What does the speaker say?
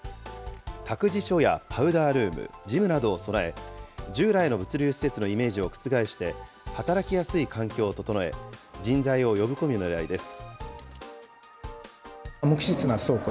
託児所やパウダールーム、ジムなどを備え、従来の物流施設のイメージを覆して、働きやすい環境を整え、人材を呼び込むねらいです。